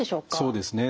そうですね